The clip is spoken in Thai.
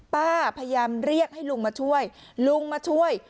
พยายามเรียกให้ลุงมาช่วยลุงมาช่วย